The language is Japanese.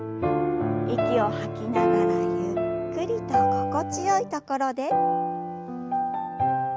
息を吐きながらゆっくりと心地よい所で。